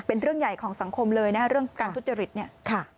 เป็นเรื่องใหญ่ของสังคมเลยนะเรื่องการทุจริตเนี่ย